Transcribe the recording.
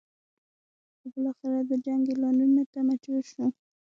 خو بالاخره د جنګ اعلانولو ته مجبور شو.